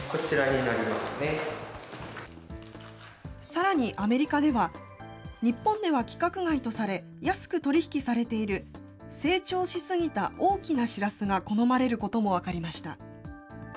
さらにアメリカでは、日本では規格外とされ、安く取り引きされている成長し過ぎた大きなしらすが好まれることも分かりました。